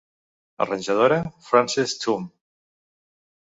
Arranjadora Frances Thumm.